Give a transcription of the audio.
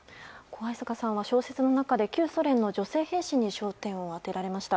逢坂さんは小説の中で旧ソ連の女性兵士に焦点を当てられました。